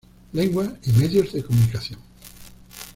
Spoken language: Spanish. Lengua y medios de comunicación.